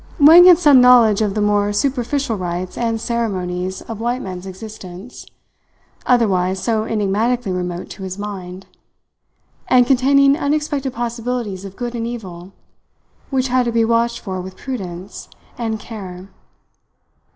Wang had some knowledge of the more superficial rites and ceremonies of white men's existence, otherwise so enigmatically remote to his mind, and containing unexpected possibilities of good and evil, which had to be watched for with prudence and care.